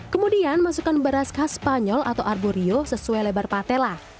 kemudian masukkan beras khas spanyol atau arborio sesuai lebar patela